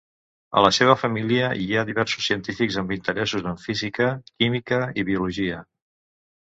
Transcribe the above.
A la seva família hi ha diversos científics, amb interessos en física, química i biologia.